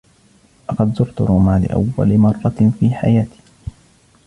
لقد زرت روما لأول مرة في حياتي.